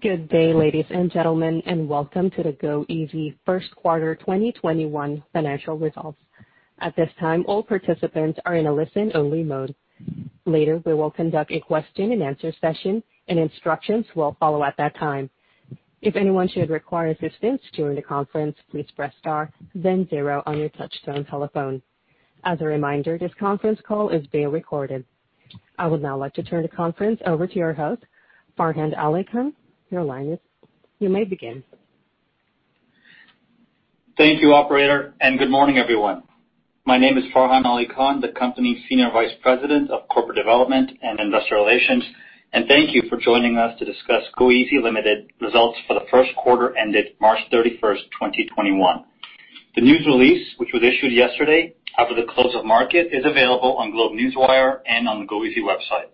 Good day, ladies and gentlemen, and welcome to the goeasy first quarter 2021 financial results. At this time, all participants are in a listen-only mode. Later, we will conduct a question-and-answer session, and instructions will follow at that time. If anyone should require assistance during the conference, please press star then zero on your touchtone telephone. As a reminder, this conference call is being recorded. I would now like to turn the conference over to your host, Farhan Ali Khan. Your line is You may begin. Thank you, operator. Good morning, everyone. My name is Farhan Ali Khan, the company Senior Vice President of Corporate Development and Investor Relations, and thank you for joining us to discuss goeasy Ltd. results for the first quarter ended March 31st, 2021. The news release, which was issued yesterday after the close of market, is available on GlobeNewswire and on the goeasy website.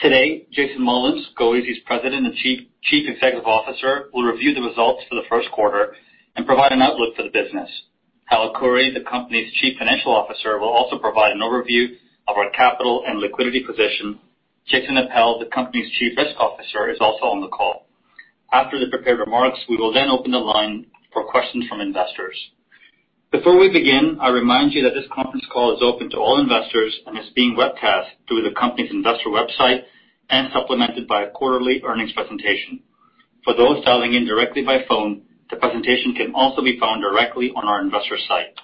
Today, Jason Mullins, goeasy's President and Chief Executive Officer, will review the results for the first quarter and provide an outlook for the business. Hal Khouri, the company's Chief Financial Officer, will also provide an overview of our capital and liquidity position. Jason Appel, the company's Chief Risk Officer, is also on the call. After the prepared remarks, we will then open the line for questions from investors. Before we begin, I remind you that this conference call is open to all investors and is being webcast through the company's investor website and supplemented by a quarterly earnings presentation. For those dialing in directly by phone, the presentation can also be found directly on our investor site.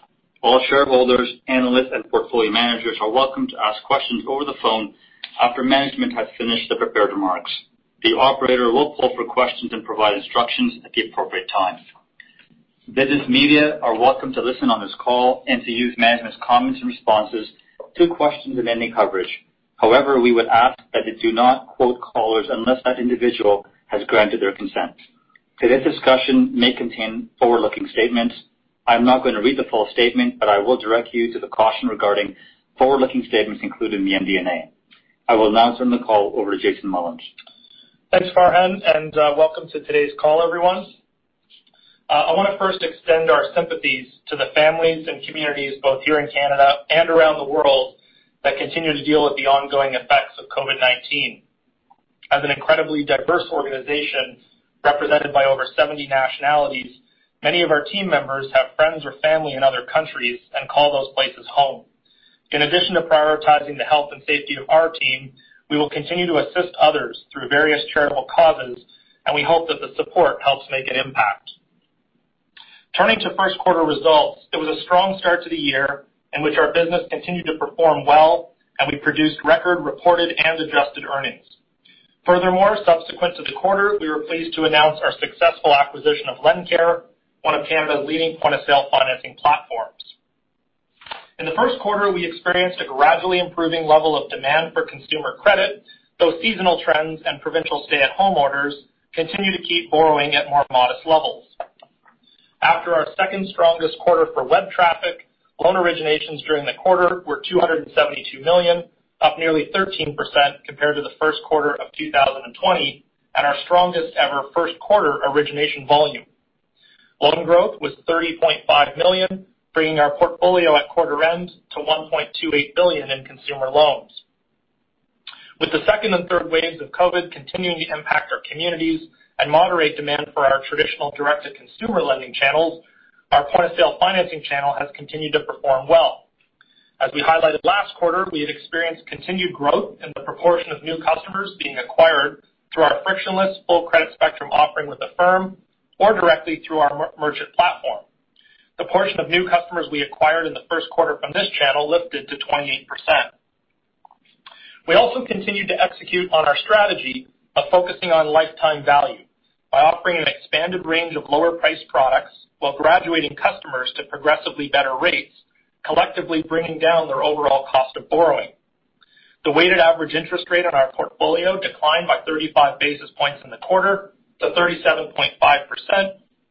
All shareholders, analysts, and portfolio managers are welcome to ask questions over the phone after management has finished the prepared remarks. The operator will poll for questions and provide instructions at the appropriate time. Business media are welcome to listen on this call and to use management's comments and responses to questions in any coverage. However, we would ask that they do not quote callers unless that individual has granted their consent. Today's discussion may contain forward-looking statements. I'm not gonna read the full statement, but I will direct you to the caution regarding forward-looking statements included in the MD&A. I will now turn the call over to Jason Mullins. Thanks, Farhan. Welcome to today's call, everyone. I want to first extend our sympathies to the families and communities, both here in Canada and around the world, that continue to deal with the ongoing effects of COVID-19. As an incredibly diverse organization represented by over 70 nationalities, many of our team members have friends or family in other countries and call those places home. In addition to prioritizing the health and safety of our team, we will continue to assist others through various charitable causes, we hope that the support helps make an impact. Turning to first quarter results, it was a strong start to the year in which our business continued to perform well, we produced record reported and adjusted earnings. Furthermore, subsequent to the quarter, we were pleased to announce our successful acquisition of LendCare, one of Canada's leading point-of-sale financing platforms. In the first quarter, we experienced a gradually improving level of demand for consumer credit, though seasonal trends and provincial stay-at-home orders continue to keep borrowing at more modest levels. After our second strongest quarter for web traffic, loan originations during the quarter were 272 million, up nearly 13% compared to the first quarter of 2020, and our strongest ever first quarter origination volume. Loan growth was 30.5 million, bringing our portfolio at quarter end to 1.28 billion in consumer loans. With the second and third waves of COVID continuing to impact our communities and moderate demand for our traditional direct-to-consumer lending channels, our point-of-sale financing channel has continued to perform well. As we highlighted last quarter, we had experienced continued growth in the proportion of new customers being acquired through our frictionless full credit spectrum offering with Affirm or directly through our merchant platform. The portion of new customers we acquired in the 1st quarter from this channel lifted to 28%. We also continued to execute on our strategy of focusing on lifetime value by offering an expanded range of lower priced products while graduating customers to progressively better rates, collectively bringing down their overall cost of borrowing. The weighted average interest rate on our portfolio declined by 35 basis points in the quarter to 37.5%,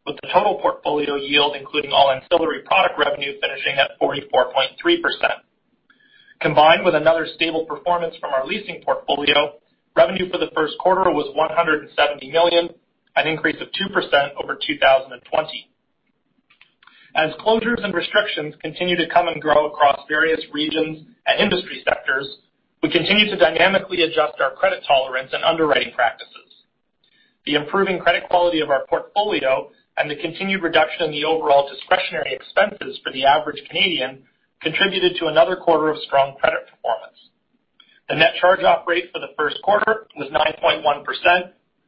with the total portfolio yield, including all ancillary product revenue, finishing at 44.3%. Combined with another stable performance from our leasing portfolio, revenue for the first quarter was 170 million, an increase of 2% over 2020. As closures and restrictions continue to come and grow across various regions and industry sectors, we continue to dynamically adjust our credit tolerance and underwriting practices. The improving credit quality of our portfolio and the continued reduction in the overall discretionary expenses for the average Canadian contributed to another quarter of strong credit performance. The net charge-off rate for the first quarter was 9.1%,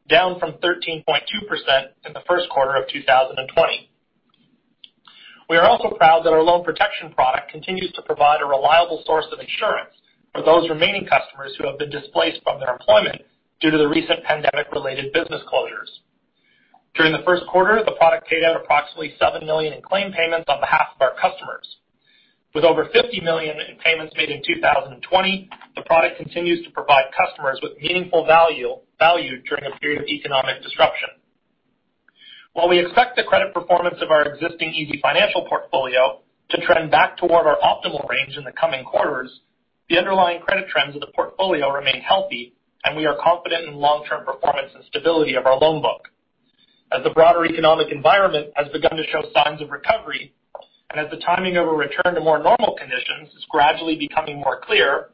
down from 13.2% in the first quarter of 2020. We are also proud that our loan protection product continues to provide a reliable source of insurance for those remaining customers who have been displaced from their employment due to the recent pandemic-related business closures. During the first quarter, the product paid out approximately 7 million in claim payments on behalf of our customers. With over 50 million in payments made in 2020, the product continues to provide customers with meaningful value during a period of economic disruption. While we expect the credit performance of our existing easyfinancial portfolio to trend back toward our optimal range in the coming quarters, the underlying credit trends of the portfolio remain healthy, and we are confident in long-term performance and stability of our loan book. As the broader economic environment has begun to show signs of recovery, and as the timing of a return to more normal conditions is gradually becoming more clear,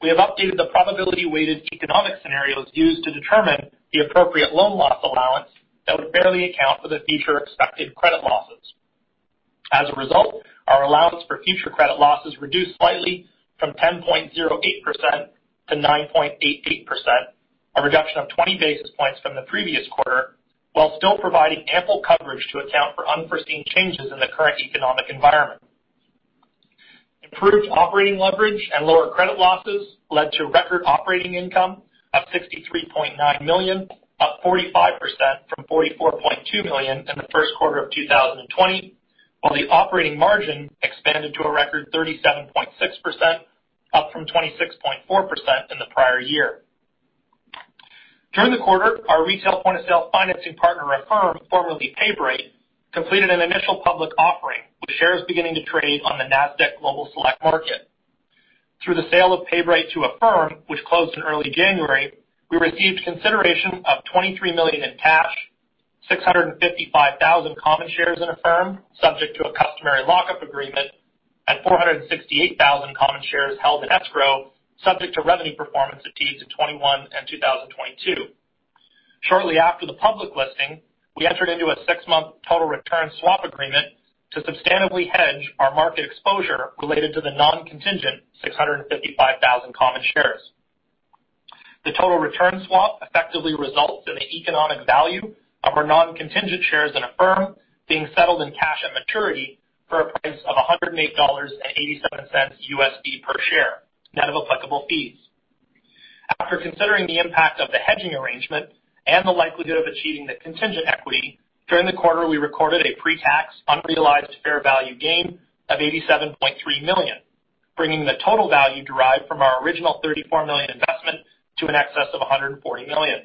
we have updated the probability-weighted economic scenarios used to determine the appropriate loan loss allowance that would fairly account for the future expected credit losses. As a result, our allowance for future credit losses reduced slightly from 10.08% to 9.88%, a reduction of 20 basis points from the previous quarter, while still providing ample coverage to account for unforeseen changes in the current economic environment. Improved operating leverage and lower credit losses led to record operating income of 63.9 million, up 45% from 44.2 million in the first quarter of 2020, while the operating margin expanded to a record 37.6%, up from 26.4% in the prior year. During the quarter, our retail point-of-sale financing partner, Affirm, formerly PayBright, completed an initial public offering, with shares beginning to trade on the Nasdaq Global Select Market. Through the sale of PayBright to Affirm, which closed in early January, we received consideration of 23 million in cash, 655,000 common shares in Affirm subject to a customary lock-up agreement, and 468,000 common shares held in escrow subject to revenue performance achieved in 2021 and 2022. Shortly after the public listing, we entered into a six-month total return swap agreement to substantively hedge our market exposure related to the non-contingent 655,000 common shares. The total return swap effectively results in the economic value of our non-contingent shares in Affirm being settled in cash at maturity for a price of $108.87 USD per share, net of applicable fees. After considering the impact of the hedging arrangement and the likelihood of achieving the contingent equity, during the quarter, we recorded a pre-tax unrealized fair value gain of 87.3 million, bringing the total value derived from our original 34 million investment to in excess of 140 million.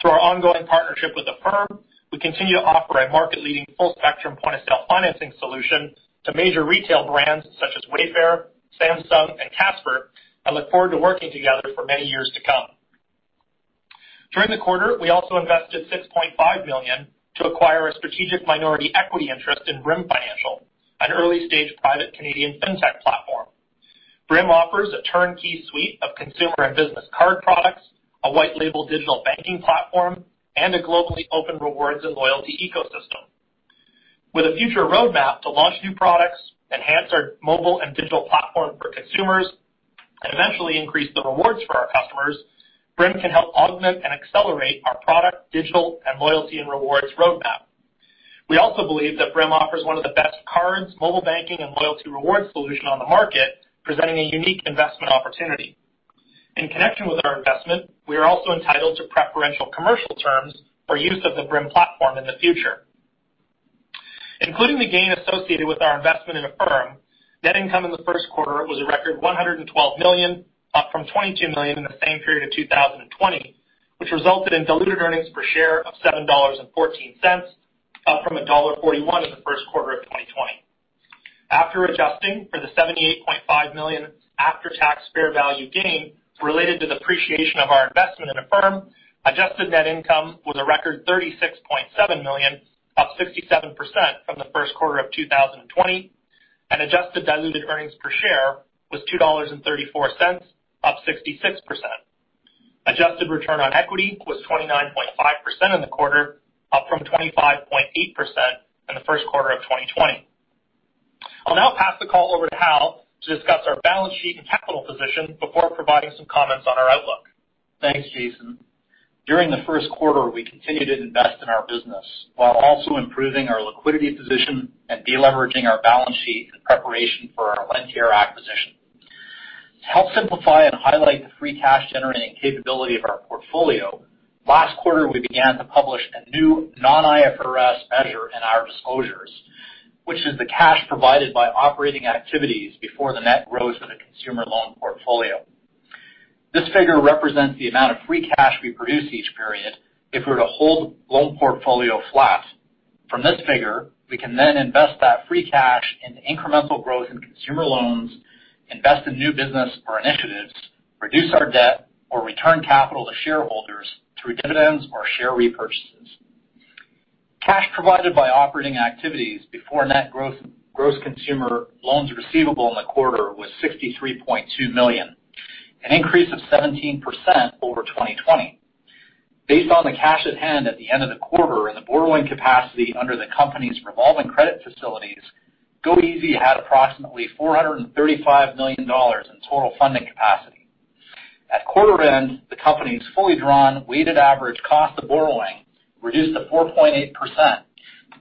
Through our ongoing partnership with Affirm, we continue to offer a market-leading full-spectrum point-of-sale financing solution to major retail brands such as Wayfair, Samsung, and Casper and look forward to working together for many years to come. During the quarter, we also invested 6.5 million to acquire a strategic minority equity interest in Brim Financial, an early-stage private Canadian fintech platform. Brim offers a turnkey suite of consumer and business card products, a white label digital banking platform, and a globally open rewards and loyalty ecosystem. With a future roadmap to launch new products, enhance our mobile and digital platform for consumers, and eventually increase the rewards for our customers, Brim can help augment and accelerate our product, digital, and loyalty and rewards roadmap. We also believe that Brim offers one of the best cards, mobile banking, and loyalty rewards solution on the market, presenting a unique investment opportunity. In connection with our investment, we are also entitled to preferential commercial terms for use of the Brim platform in the future. Including the gain associated with our investment in Affirm, net income in the first quarter was a record CAD 112 million, up from CAD 22 million in the same period of 2020, which resulted in diluted earnings per share of CAD 7.14, up from CAD 1.41 in the first quarter of 2020. After adjusting for the CAD 78.5 million after-tax fair value gain related to the appreciation of our investment in Affirm, adjusted net income was a record 36.7 million, up 67% from the first quarter of 2020, and adjusted diluted earnings per share was 2.34 dollars, up 66%. Adjusted return on equity was 29.5% in the quarter, up from 25.8% in the first quarter of 2020. I'll now pass the call over to Hal to discuss our balance sheet and capital position before providing some comments on our outlook. Thanks, Jason. During the first quarter, we continued to invest in our business while also improving our liquidity position and de-leveraging our balance sheet in preparation for our LendCare acquisition. To help simplify and highlight the free cash-generating capability of our portfolio, last quarter, we began to publish a new non-IFRS measure in our disclosures, which is the cash provided by operating activities before the net charge-offs for the consumer loan portfolio. From this figure, we can invest that free cash into incremental growth in consumer loans, invest in new business or initiatives, reduce our debt, or return capital to shareholders through dividends or share repurchases. Cash provided by operating activities before gross consumer loans receivable in the quarter was 63.2 million, an increase of 17% over 2020. Based on the cash at hand at the end of the quarter and the borrowing capacity under the company's revolving credit facilities, goeasy had approximately 435 million dollars in total funding capacity. At quarter end, the company's fully drawn weighted average cost of borrowing reduced to 4.8%,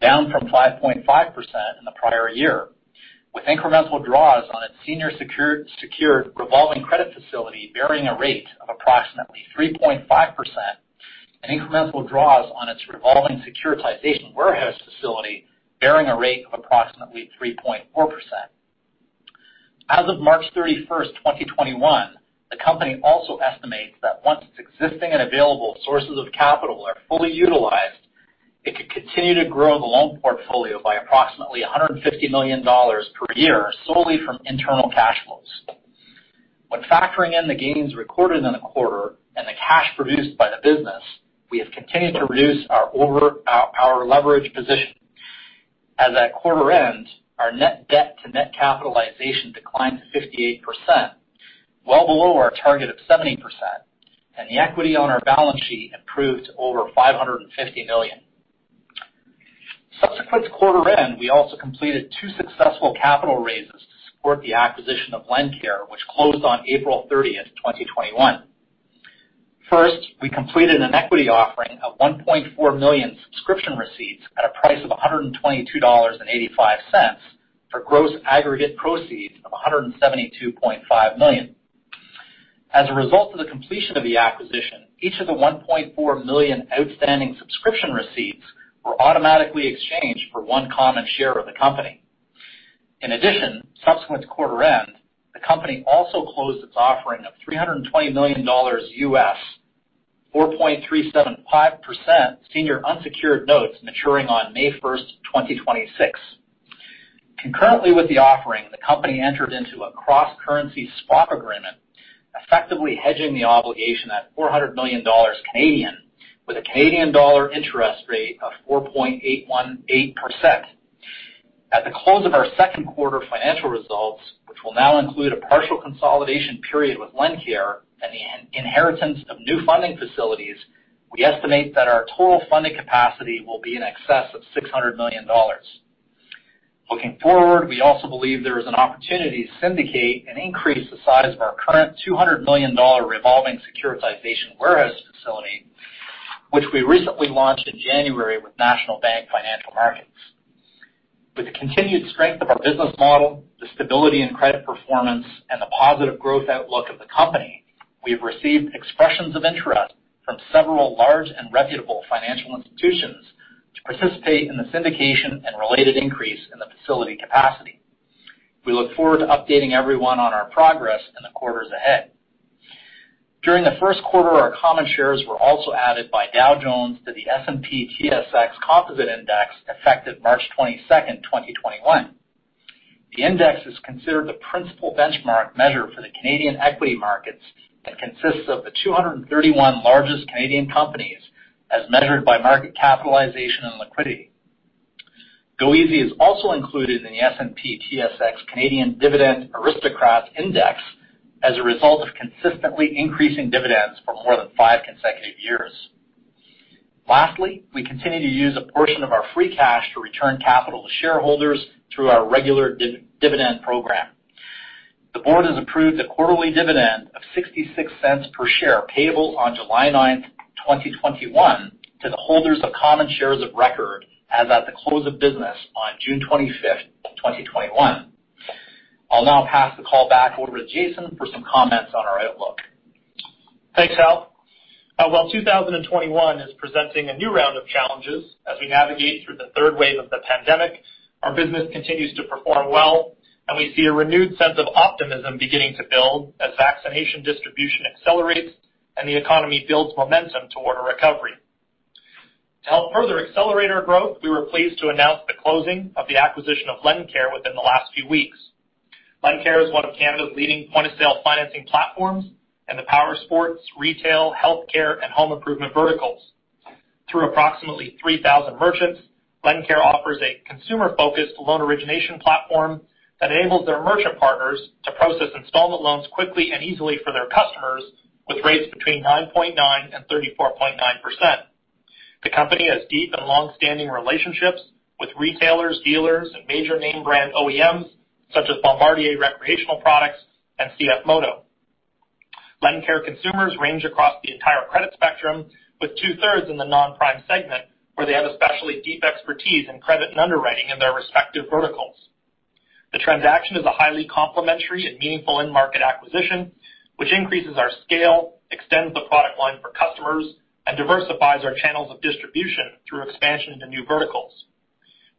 down from 5.5% in the prior year, with incremental draws on its senior secured revolving credit facility bearing a rate of approximately 3.5% and incremental draws on its revolving securitization warehouse facility bearing a rate of approximately 3.4%. As of March 31st, 2021, the company also estimates that once its existing and available sources of capital are fully utilized, it could continue to grow the loan portfolio by approximately 150 million dollars per year solely from internal cash flow. When factoring in the gains recorded in the quarter and the cash produced by the business, we have continued to reduce our leverage position. As at quarter end, our net debt to net capitalization declined to 58%, well below our target of 70%, and the equity on our balance sheet improved to over 550 million. Subsequent to quarter end, we also completed two successful capital raises to support the acquisition of LendCare, which closed on April 30th, 2021. First, we completed an equity offering of 1.4 million subscription receipts at a price of 122.85 dollars for gross aggregate proceeds of 172.5 million. As a result of the completion of the acquisition, each of the 1.4 million outstanding subscription receipts were automatically exchanged for one common share of the company. Subsequent to quarter end, the company also closed its offering of $320 million, 4.375% senior unsecured notes maturing on May 1st, 2026. Concurrently with the offering, the company entered into a cross-currency swap agreement, effectively hedging the obligation at 400 million Canadian dollars, with a Canadian dollar interest rate of 4.818%. At the close of our second quarter financial results, which will now include a partial consolidation period with LendCare and the inheritance of new funding facilities, we estimate that our total funding capacity will be in excess of 600 million dollars. Looking forward, we also believe there is an opportunity to syndicate and increase the size of our current 200 million dollar revolving securitization warehouse facility, which we recently launched in January with National Bank Financial Markets. With the continued strength of our business model, the stability and credit performance, and the positive growth outlook of the company, we have received expressions of interest from several large and reputable financial institutions to participate in the syndication and related increase in the facility capacity. We look forward to updating everyone on our progress in the quarters ahead. During the 1st quarter, our common shares were also added by Dow Jones to the S&P/TSX Composite Index, effective March 22, 2021. The index is considered the principal benchmark measure for the Canadian equity markets and consists of the 231 largest Canadian companies as measured by market capitalization and liquidity. goeasy is also included in the S&P/TSX Canadian Dividend Aristocrats Index as a result of consistently increasing dividends for more than five consecutive years. We continue to use a portion of our free cash to return capital to shareholders through our regular dividend program. The board has approved a quarterly dividend of 0.66 per share, payable on July 9, 2021 to the holders of common shares of record as at the close of business on June 25, 2021. I'll now pass the call back over to Jason for some comments on our outlook. Thanks, Hal. While 2021 is presenting a new round of challenges as we navigate through the third wave of the pandemic, our business continues to perform well, and we see a renewed sense of optimism beginning to build as vaccination distribution accelerates and the economy builds momentum toward a recovery. To help further accelerate our growth, we were pleased to announce the closing of the acquisition of LendCare within the last few weeks. LendCare is one of Canada's leading point-of-sale financing platforms in the powersports, retail, healthcare, and home improvement verticals. Through approximately 3,000 merchants, LendCare offers a consumer-focused loan origination platform that enables their merchant partners to process installment loans quickly and easily for their customers, with rates between 9.9% and 34.9%. The company has deep and longstanding relationships with retailers, dealers, and major name brand OEMs, such as Bombardier Recreational Products and CFMOTO. LendCare consumers range across the entire credit spectrum with 2/3 in the non-prime segment, where they have especially deep expertise in credit and underwriting in their respective verticals. The transaction is a highly complementary and meaningful end-market acquisition, which increases our scale, extends the product line for customers, and diversifies our channels of distribution through expansion into new verticals.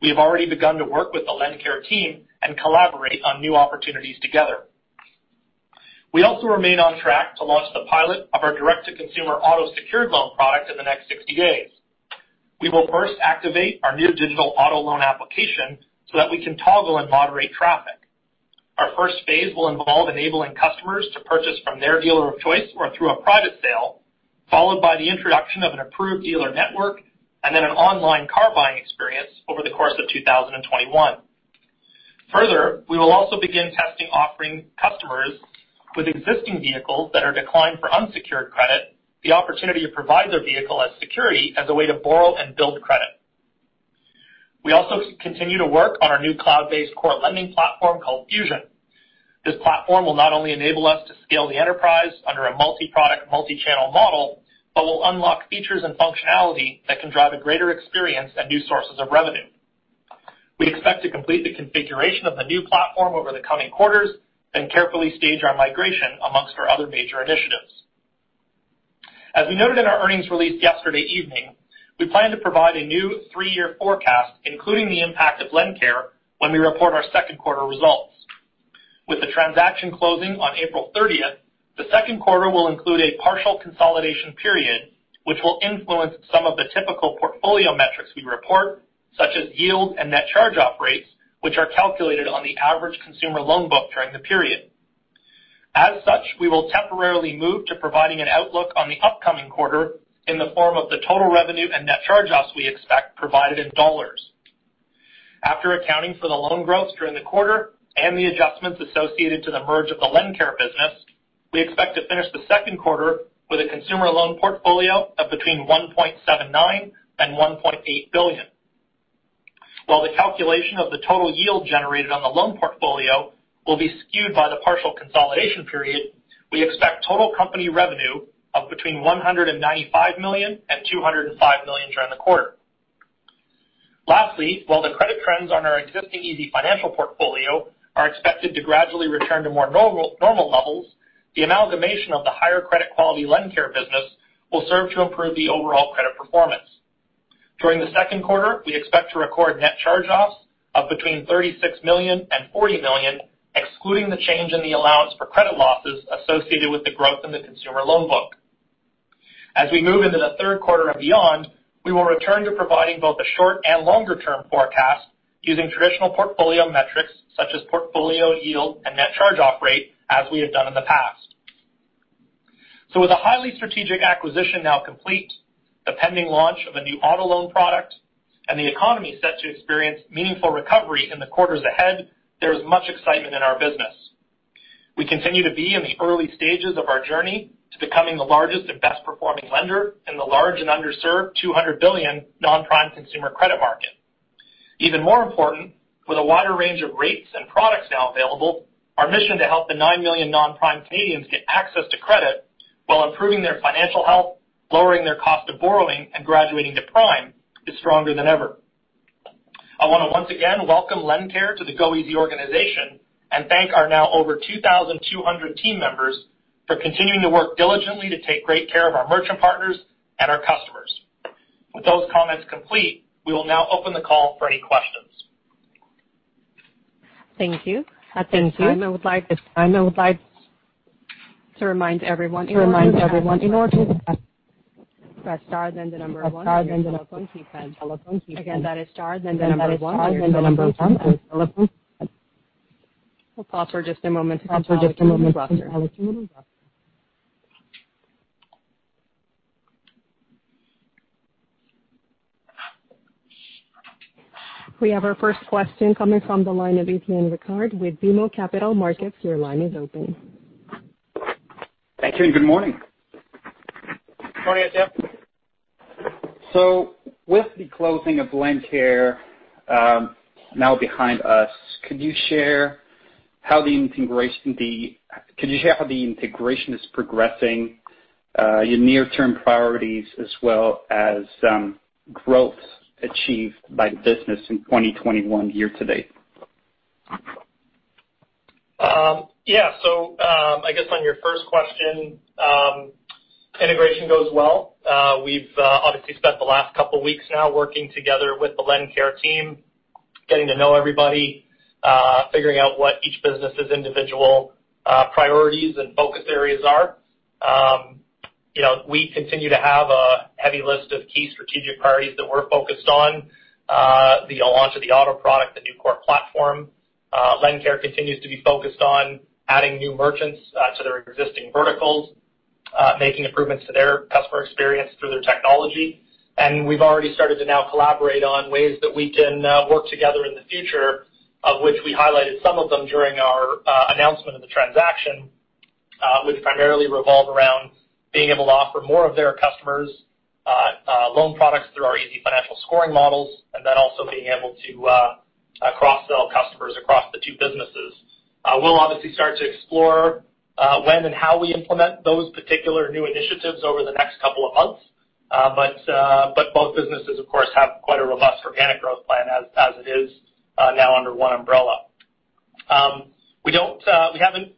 We have already begun to work with the LendCare team and collaborate on new opportunities together. We also remain on track to launch the pilot of our direct-to-consumer auto secured loan product in the next 60 days. We will first activate our new digital auto loan application so that we can toggle and moderate traffic. Our first phase will involve enabling customers to purchase from their dealer of choice or through a private sale, followed by the introduction of an approved dealer network and then an online car buying experience over the course of 2021. Further, we will also begin testing offering customers with existing vehicles that are declined for unsecured credit the opportunity to provide their vehicle as security as a way to borrow and build credit. We also continue to work on our new cloud-based core lending platform called Fusion. This platform will not only enable us to scale the enterprise under a multi-product, multi-channel model, but will unlock features and functionality that can drive a greater experience and new sources of revenue. We expect to complete the configuration of the new platform over the coming quarters, then carefully stage our migration amongst our other major initiatives. As we noted in our earnings release yesterday evening, we plan to provide a new three-year forecast, including the impact of LendCare, when we report our second quarter results. With the transaction closing on April 30th. The second quarter will include a partial consolidation period, which will influence some of the typical portfolio metrics we report, such as yield and net charge-off rates, which are calculated on the average consumer loan book during the period. As such, we will temporarily move to providing an outlook on the upcoming quarter in the form of the total revenue and net charge-offs we expect provided in CAD. After accounting for the loan growth during the quarter and the adjustments associated to the merge of the LendCare business, we expect to finish the second quarter with a consumer loan portfolio of between 1.79 billion and 1.8 billion. While the calculation of the total yield generated on the loan portfolio will be skewed by the partial consolidation period, we expect total company revenue of between 195 million and 205 million during the quarter. Lastly, while the credit trends on our existing easyfinancial portfolio are expected to gradually return to more normal levels, the amalgamation of the higher credit quality LendCare business will serve to improve the overall credit performance. During the second quarter, we expect to record net charge-offs of between 36 million and 40 million, excluding the change in the allowance for credit losses associated with the growth in the consumer loan book. As we move into the third quarter and beyond, we will return to providing both the short and longer term forecast using traditional portfolio metrics such as portfolio yield and net charge-off rate, as we have done in the past. With a highly strategic acquisition now complete, the pending launch of a new auto loan product and the economy set to experience meaningful recovery in the quarters ahead, there is much excitement in our business. We continue to be in the early stages of our journey to becoming the largest and best performing lender in the large and underserved 200 billion non-prime consumer credit market. Even more important, with a wider range of rates and products now available, our mission to help the 9 million non-prime Canadians get access to credit while improving their financial health, lowering their cost of borrowing and graduating to prime is stronger than ever. I want to once again welcome LendCare to the goeasy organization and thank our now over 2,200 team members for continuing to work diligently to take great care of our merchant partners and our customers. With those comments complete, we will now open the call for any questions. Thank you. We have our first question coming from the line of Etienne Ricard with BMO Capital Markets. Your line is open. Thank you and good morning. Morning, Etienne. With the closing of LendCare, now behind us, could you share how the integration is progressing, your near term priorities as well as, growth achieved by the business in 2021 year to date? I guess on your first question, integration goes well. We've obviously spent the last couple weeks now working together with the LendCare team, getting to know everybody, figuring out what each business's individual priorities and focus areas are. You know, we continue to have a heavy list of key strategic priorities that we're focused on. The launch of the auto product, the new core platform. LendCare continues to be focused on adding new merchants to their existing verticals, making improvements to their customer experience through their technology. We've already started to now collaborate on ways that we can work together in the future, of which we highlighted some of them during our announcement of the transaction, which primarily revolve around being able to offer more of their customers loan products through our easyfinancial scoring models, and then also being able to cross-sell customers across the two businesses. We'll obviously start to explore when and how we implement those particular new initiatives over the next couple of months. Both businesses of course have quite a robust organic growth plan as it is now under one umbrella. We don't, we haven't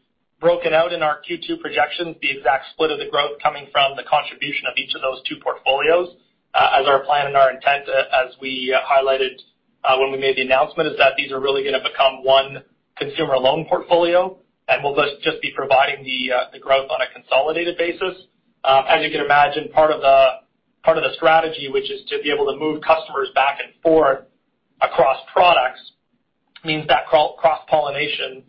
broken out in our Q2 projections the exact split of the growth coming from the contribution of each of those two portfolios. As our plan and our intent as we highlighted, when we made the announcement, is that these are really going to become one consumer loan portfolio and we'll just be providing the growth on a consolidated basis. As you can imagine, part of the strategy, which is to be able to move customers back and forth across products, means that cross-pollination,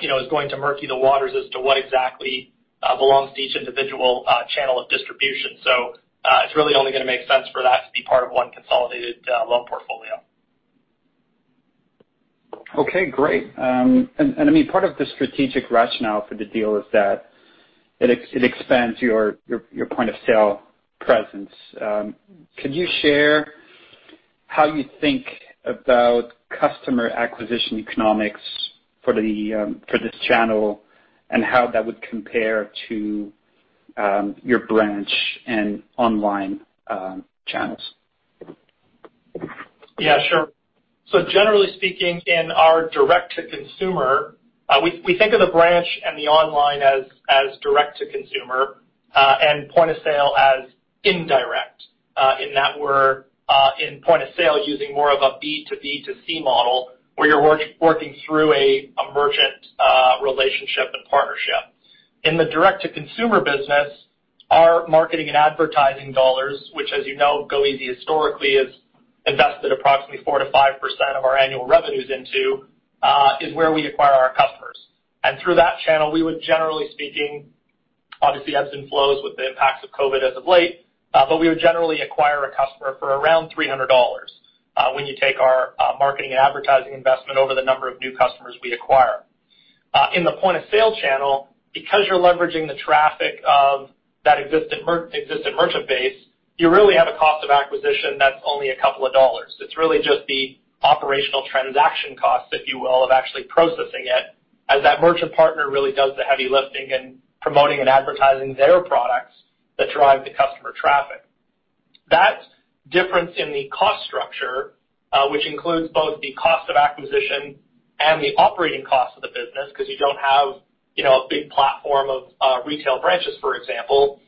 you know, is going to murky the waters as to what exactly belongs to each individual channel of distribution. It's really only going to make sense for that to be part of one consolidated loan portfolio. Okay, great. I mean, part of the strategic rationale for the deal is that it expands your point of sale presence. Could you share how you think about customer acquisition economics for this channel and how that would compare to your branch and online channels? Yeah, sure. Generally speaking, in our direct to consumer, we think of the branch and the online as direct to consumer, and point of sale as indirect. In that we're in point of sale using more of a B2B2C model where you're working through a merchant relationship and partnership. In the direct-to-consumer business, our marketing and advertising dollars, which, as you know, goeasy historically, has invested approximately 4%-5% of our annual revenues into, is where we acquire our customers. Through that channel, we would generally speaking, obviously ebbs and flows with the impacts of COVID as of late, but we would generally acquire a customer for around 300 dollars when you take our marketing and advertising investment over the number of new customers we acquire. In the point-of-sale channel, because you're leveraging the traffic of that existent merchant base, you really have a cost of acquisition that's only two CAD. It's really just the operational transaction costs, if you will, of actually processing it, as that merchant partner really does the heavy lifting in promoting and advertising their products that drive the customer traffic. That difference in the cost structure, which includes both the cost of acquisition and the operating costs of the business because you don't have, you know, a big platform of retail branches, for example,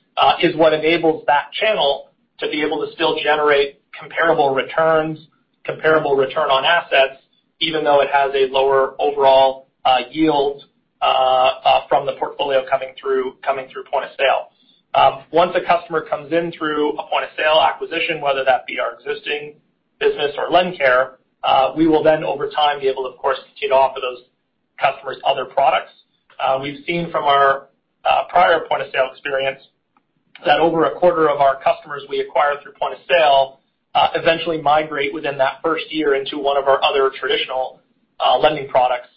is what enables that channel to be able to still generate comparable returns, comparable return on assets, even though it has a lower overall yield from the portfolio coming through, coming through point of sale. Once a customer comes in through a point of sale acquisition, whether that be our existing business or LendCare, we will then over time be able, of course, to take off of those customers' other products. We've seen from our prior point of sale experience that over a quarter of our customers we acquire through point of sale, eventually migrate within that first year into one of our other traditional lending products.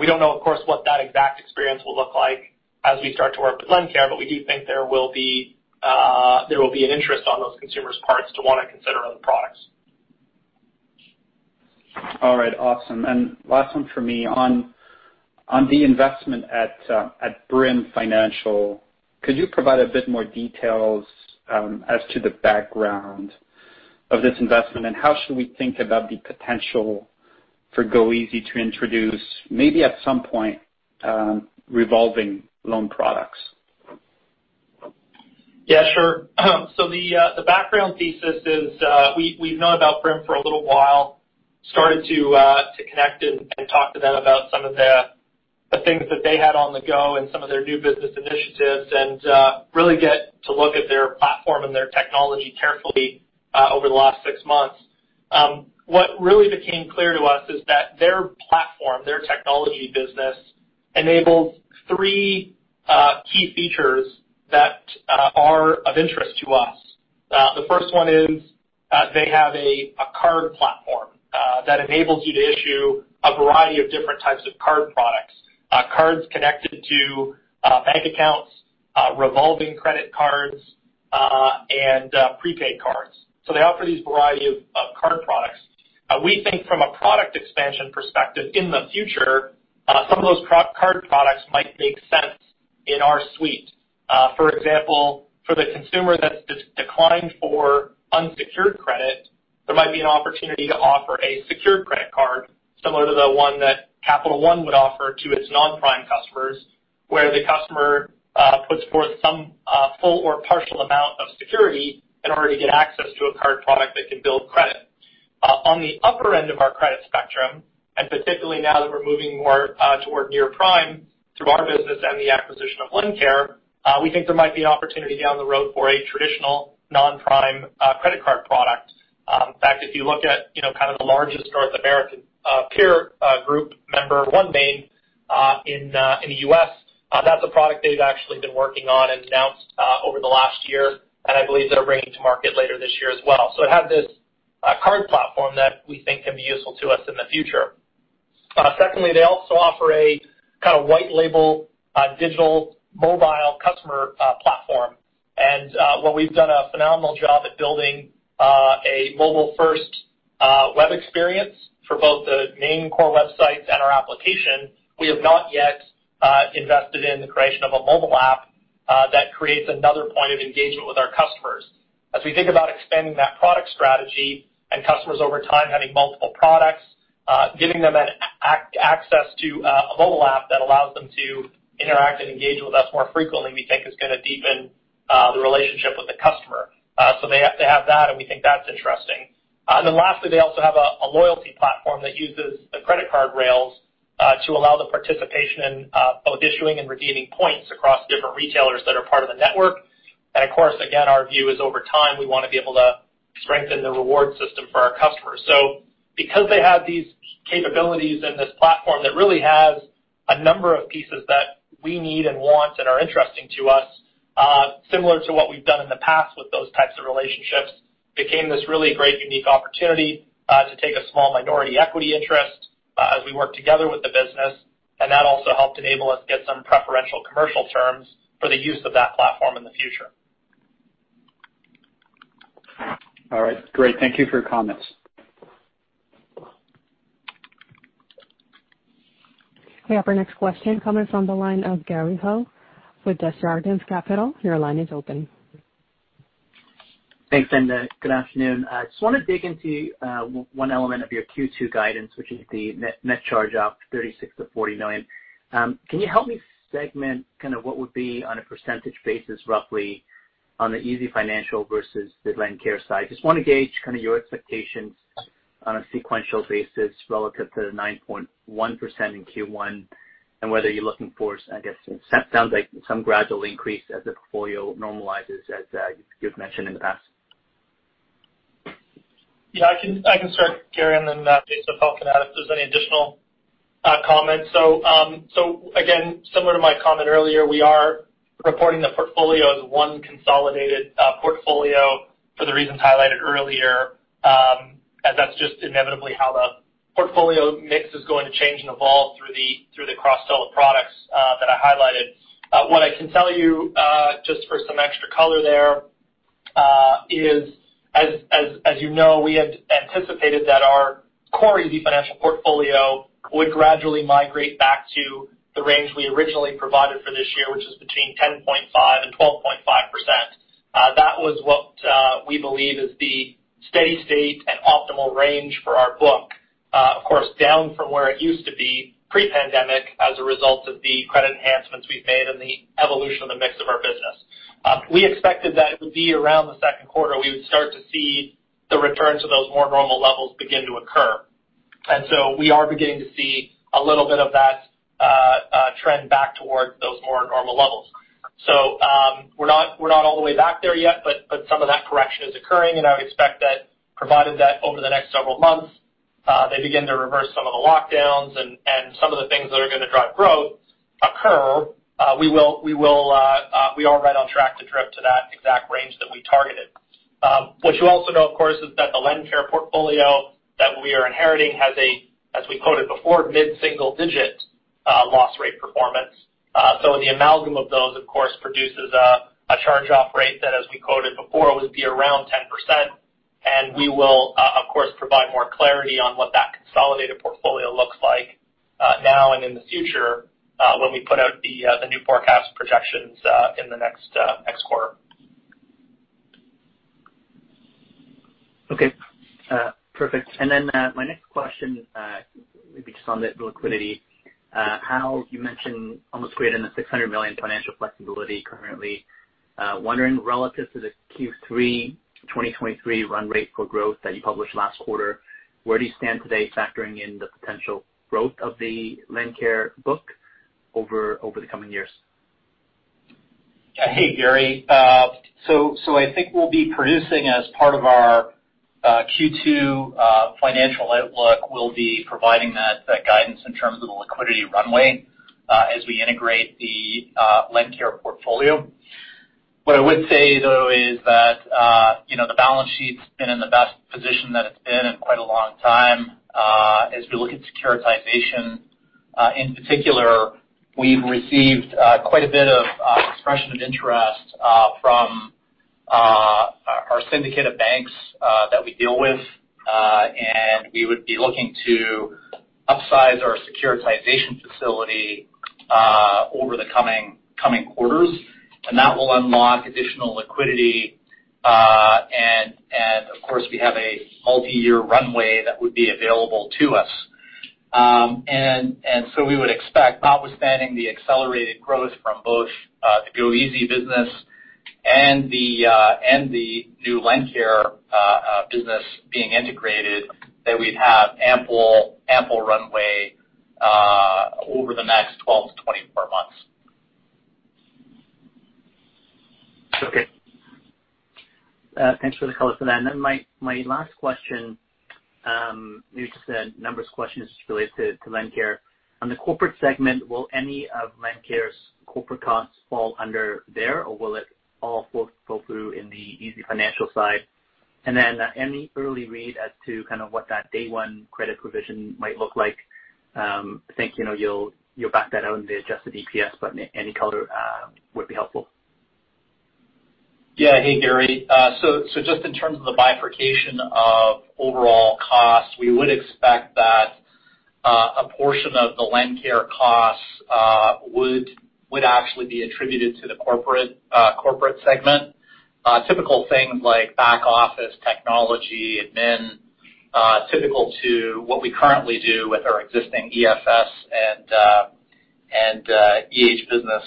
We don't know, of course, what that exact experience will look like as we start to work with LendCare, but we do think there will be, there will be an interest on those consumers' parts to wanna consider other products. All right. Awesome. Last one for me. On the investment at Brim Financial, could you provide a bit more details as to the background of this investment? How should we think about the potential for goeasy to introduce maybe at some point revolving loan products? Yeah, sure. The background thesis is, we've known about Brim for a little while, started to connect and talk to them about some of the things that they had on the go and some of their new business initiatives and really get to look at their platform and their technology carefully over the last 6 months. What really became clear to us is that their platform, their technology business enables 3 key features that are of interest to us. The first one is, they have a card platform that enables you to issue a variety of different types of card products. Cards connected to bank accounts, revolving credit cards, and prepaid cards. They offer these variety of card products. We think from a product expansion perspective, in the future, some of those card products might make sense in our suite. For example, for the consumer that's just declined for unsecured credit, there might be an opportunity to offer a secured credit card similar to the one that Capital One would offer to its non-prime customers, where the customer puts forth some full or partial amount of security in order to get access to a card product that can build credit. On the upper end of our credit spectrum, and particularly now that we're moving more toward near-prime through our business and the acquisition of LendCare, we think there might be an opportunity down the road for a traditional non-prime credit card product. In fact, if you look at, you know, kind of the largest North American peer group member, OneMain Financial, in the U.S., that's a product they've actually been working on and announced over the last year, and I believe they're bringing to market later this year as well. It has this card platform that we think can be useful to us in the future. Secondly, they also offer a kind of white label digital mobile customer platform. While we've done a phenomenal job at building a mobile-first web experience for both the main core websites and our application, we have not yet invested in the creation of a mobile app that creates another point of engagement with our customers. As we think about expanding that product strategy and customers over time having multiple products, giving them access to a mobile app that allows them to interact and engage with us more frequently, we think is gonna deepen the relationship with the customer. They have that, and we think that's interesting. Then lastly, they also have a loyalty platform that uses the credit card rails to allow the participation in both issuing and redeeming points across different retailers that are part of the network. Of course, again, our view is over time, we wanna be able to strengthen the reward system for our customers. Because they have these capabilities and this platform that really has a number of pieces that we need and want and are interesting to us, similar to what we've done in the past with those types of relationships, became this really great unique opportunity to take a small minority equity interest as we work together with the business. That also helped enable us to get some preferential commercial terms for the use of that platform in the future. All right. Great. Thank you for your comments. We have our next question coming from the line of Gary Ho with Desjardins Capital. Your line is open. Thanks, Linda. Good afternoon. I just wanna dig into one element of your Q2 guidance, which is the net charge-off, 36 million-40 million. Can you help me segment kind of what would be on a percentage basis roughly on the easyfinancial versus the LendCare side? Just wanna gauge kind of your expectations on a sequential basis relative to the 9.1% in Q1, and whether you're looking for, I guess, it sounds like some gradual increase as the portfolio normalizes as you've mentioned in the past. I can start, Gary, and then based upon can add if there's any additional comments. Again, similar to my comment earlier, we are reporting the portfolio as one consolidated portfolio for the reasons highlighted earlier, as that's just inevitably how the portfolio mix is going to change and evolve through the, through the cross-sell of products that I highlighted. What I can tell you, just for some extra color there, is as you know, we had anticipated that our core easyfinancial portfolio would gradually migrate back to the range we originally provided for this year, which is between 10.5% and 12.5%. That was what we believe is the steady state and optimal range for our book. Of course, down from where it used to be pre-pandemic as a result of the credit enhancements we've made and the evolution of the mix of our business. We expected that it would be around the second quarter, we would start to see the return to those more normal levels begin to occur. We are beginning to see a little bit of that trend back towards those more normal levels. We're not all the way back there yet, but some of that correction is occurring, and I would expect that provided that over the next several months, they begin to reverse some of the lockdowns and some of the things that are gonna drive growth occur, we will, we are right on track to drift to that exact range that we targeted. What you also know, of course, is that the LendCare portfolio that we are inheriting has a, as we quoted before, mid-single digit loss rate performance. The amalgam of those, of course, produces a charge-off rate that, as we quoted before, would be around 10%. We will, of course, provide more clarity on what that consolidated portfolio looks like, now and in the future, when we put out the new forecast projections, in the next next quarter. Okay. Perfect. My next question, maybe just on the liquidity. Hal, you mentioned almost creating the 600 million financial flexibility currently. Wondering relative to the Q3 2023 run rate for growth that you published last quarter, where do you stand today factoring in the potential growth of the LendCare book over the coming years? Hey, Gary. I think we'll be producing as part of our Q2 financial outlook. We'll be providing that guidance in terms of the liquidity runway as we integrate the LendCare portfolio. What I would say, though, is that, you know, the balance sheet's been in the best position that it's been in quite a long time. As we look at securitization, in particular, we've received quite a bit of expression of interest from our syndicate of banks that we deal with. We would be looking to upsize our securitization facility over the coming quarters, and that will unlock additional liquidity. Of course, we have a multi-year runway that would be available to us. We would expect, notwithstanding the accelerated growth from both, the goeasy business and the new LendCare, business being integrated, that we'd have ample runway, over the next 12 to 24 months. Okay. Thanks for the color for that. My last question, you just said numbers questions related to LendCare. On the corporate segment, will any of LendCare's corporate costs fall under there, or will it all fall through in the easyfinancial side? Any early read as to kind of what that day one credit provision might look like. I think, you know, you'll back that out in the adjusted EPS, but any color would be helpful. Yeah. Hey, Gary. Just in terms of the bifurcation of overall costs, we would expect that a portion of the LendCare costs would actually be attributed to the corporate segment. Typical things like back office technology, admin, typical to what we currently do with our existing EFS and EH business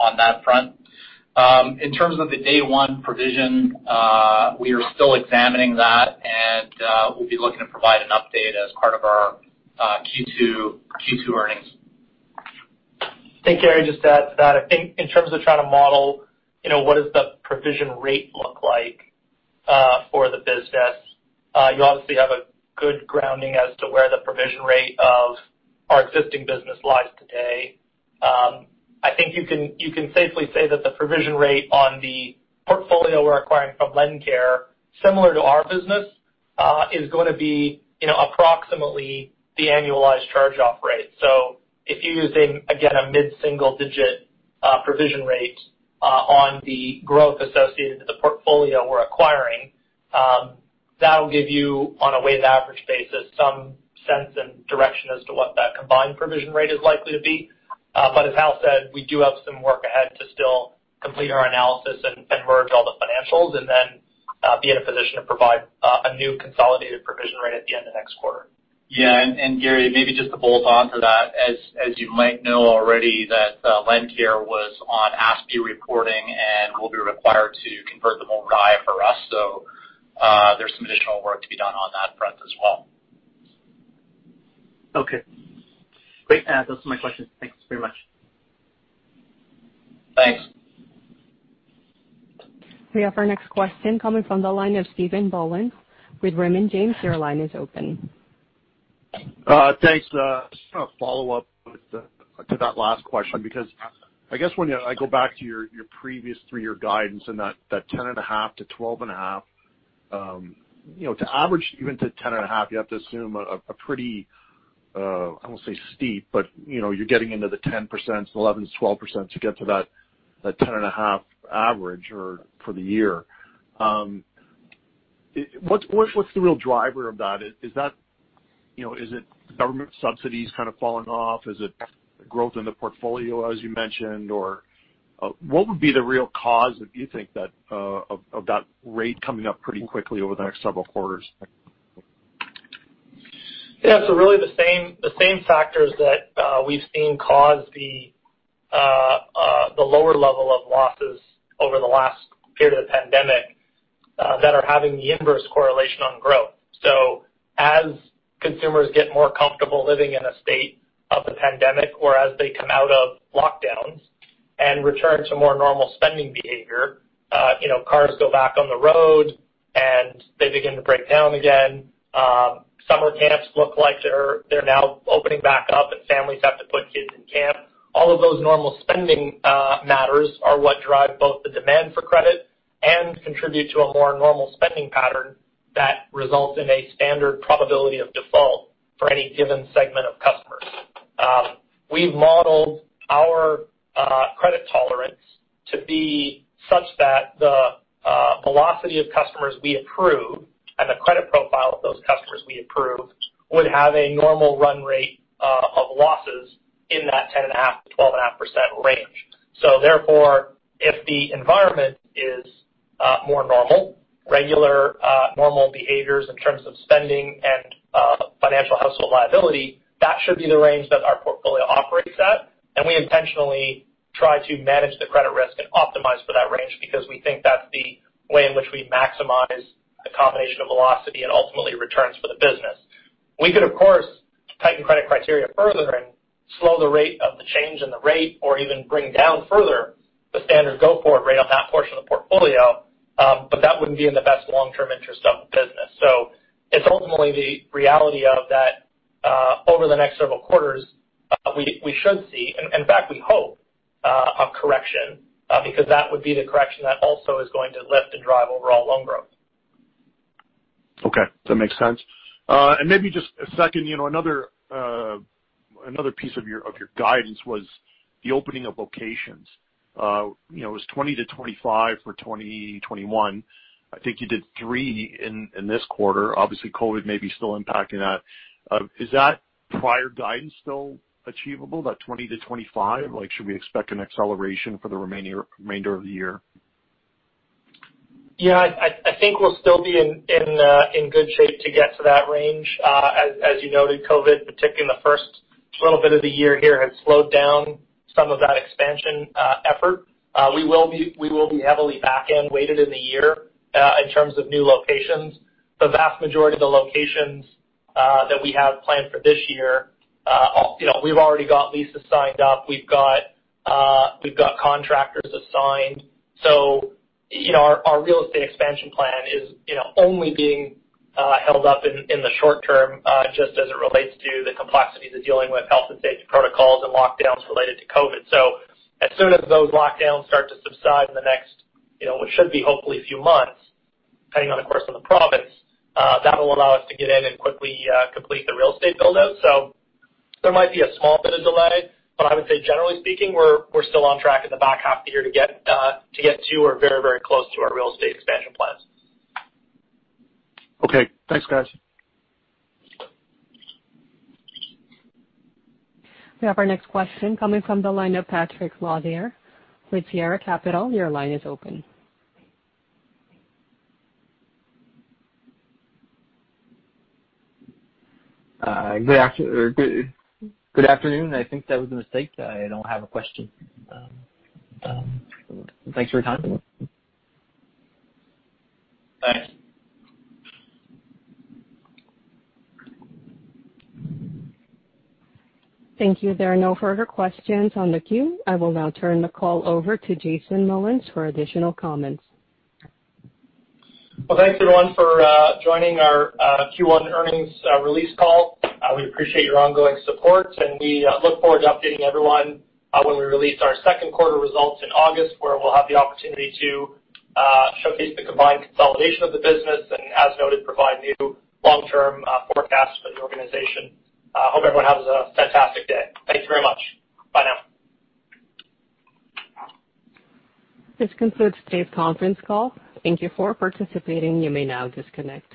on that front. In terms of the day one provision, we are still examining that and we'll be looking to provide an update as part of our Q2 earnings. Hey, Gary, just to add to that, I think in terms of trying to model, you know, what does the provision rate look like for the business, you obviously have a good grounding as to where the provision rate of our existing business lies today. I think you can, you can safely say that the provision rate on the portfolio we're acquiring from LendCare, similar to our business, is gonna be, you know, approximately the annualized charge-off rate. If you're using, again, a mid-single digit provision rate on the growth associated with the portfolio we're acquiring, that'll give you on a weighted average basis some sense and direction as to what that combined provision rate is likely to be. As Hal said, we do have some work ahead to still complete our analysis and merge all the financials and then be in a position to provide a new consolidated provision rate at the end of next quarter. Yeah. Gary, maybe just to bolt on to that. As you might know already that LendCare was on ASPE reporting and will be required to convert them over to IFRS. There's some additional work to be done on that front as well. Okay. Great. Those are my questions. Thanks very much. Thanks. We have our next question coming from the line of Stephen Boland with Raymond James. Your line is open. Thanks. Just want to follow up to that last question because I guess I go back to your previous three-year guidance and that 10.5% to 12.5%. You know, to average even to 10.5%, you have to assume a pretty, I won't say steep, but, you know, you're getting into the 10%, 11%, 12% to get to that 10.5% average for the year. What's the real driver of that? Is that, you know, is it government subsidies kind of falling off? Is it growth in the portfolio, as you mentioned? Or what would be the real cause if you think that of that rate coming up pretty quickly over the next several quarters? Really the same factors that we've seen cause the lower level of losses over the last period of the pandemic that are having the inverse correlation on growth. As consumers get more comfortable living in a state of the pandemic or as they come out of lockdowns and return to more normal spending behavior, you know, cars go back on the road and they begin to break down again. Summer camps look like they're now opening back up and families have to put kids in camp. All of those normal spending matters are what drive both the demand for credit and contribute to a more normal spending pattern that results in a standard probability of default for any given segment of customers. We've modeled our credit tolerance to be such that the velocity of customers we approve and the credit profile of those customers we approve would have a normal run rate of losses in that 10.5%-12.5% range. Therefore, if the environment is more normal, regular, normal behaviors in terms of spending and financial household liability, that should be the range that our portfolio operates at. We intentionally try to manage the credit risk and optimize for that range because we think that's the way in which we maximize the combination of velocity and ultimately returns for the business. We could of course tighten credit criteria further and slow the rate of the change in the rate or even bring down further the standard go-forward rate on that portion of the portfolio. That wouldn't be in the best long-term interest of the business. It's ultimately the reality of that, over the next several quarters, we should see and in fact, we hope a correction, because that would be the correction that also is going to lift and drive overall loan growth. Okay, that makes sense. Maybe just a second. You know, another piece of your, of your guidance was the opening of locations. You know, it was 20%-25% for 2021. I think you did 3% in this quarter. Obviously, COVID may be still impacting that. Is that prior guidance still achievable, that 20%-25%? Like should we expect an acceleration for the remainder of the year? Yeah, I think we'll still be in good shape to get to that range. As you noted, COVID, particularly in the first little bit of the year here, has slowed down some of that expansion effort. We will be heavily back end weighted in the year in terms of new locations. The vast majority of the locations that we have planned for this year, you know, we've already got leases signed up. We've got contractors assigned. You know, our real estate expansion plan is, you know, only being held up in the short term just as it relates to the complexities of dealing with health and safety protocols and lockdowns related to COVID. As soon as those lockdowns start to subside in the next, you know, what should be hopefully a few months, depending on the course of the province, that will allow us to get in and quickly complete the real estate build-out. There might be a small bit of delay, but I would say generally speaking, we're still on track in the back half of the year to get to or very, very close to our real estate expansion plans. Okay. Thanks, guys. We have our next question coming from the line of Patrick Lauzière with Fiera Capital. Your line is open. Good afternoon. I think that was a mistake. I don't have a question. Thanks for your time. Thanks. Thank you. There are no further questions on the queue. I will now turn the call over to Jason Mullins for additional comments. Well, thanks everyone for joining our Q1 earnings release call. We appreciate your ongoing support and we look forward to updating everyone when we release our second quarter results in August, where we'll have the opportunity to showcase the combined consolidation of the business and as noted, provide new long-term forecasts for the organization. Hope everyone has a fantastic day. Thank you very much. Bye now. This concludes today's conference call. Thank you for participating. You may now disconnect.